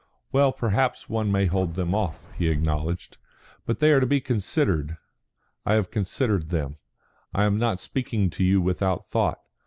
"Well, perhaps one may hold them off," he acknowledged, "but they are to be considered. I have considered them. I am not speaking to you without thought.